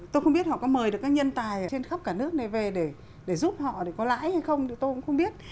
tôi không biết họ có mời được các nhân tài trên khắp cả nước này về để giúp họ có lãi hay không thì tôi cũng không biết